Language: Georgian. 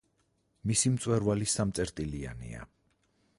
მისი მწვერვალი სამწერტილიანია.